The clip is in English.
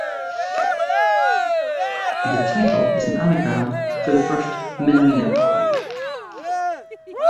The title is an anagram for The First Menomena Album.